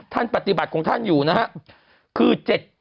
ท่านปฏิบัติของท่านอยู่นะครับคือ๗๘